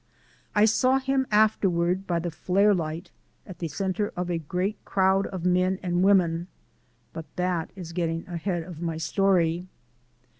I saw him afterward by a flare light at the centre of a great crowd of men and women but that is getting ahead of my story.